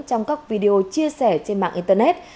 trong các video chia sẻ trên mạng internet